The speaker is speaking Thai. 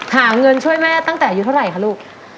หาเงินช่วยแม่ตั้งแต่อายุเท่าไหร่คะลูก